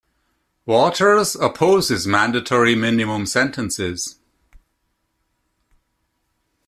Waters opposes mandatory minimum sentences.